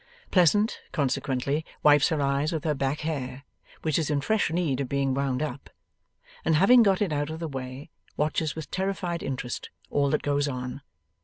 Pleasant, consequently, wipes her eyes with her back hair, which is in fresh need of being wound up, and having got it out of the way, watches with terrified interest all that goes on.